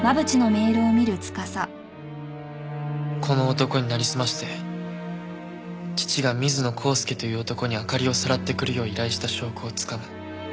この男になりすまして父が水野浩介という男に明里をさらってくるよう依頼した証拠をつかむ。